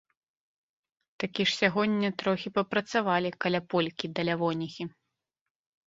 Такі ж сягоння трохі папрацавалі каля полькі да лявоніхі.